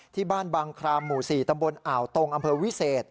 ที่บ้านบางครามหมู่๔ตำบลอ่าวตรงอำเภอวิเศษ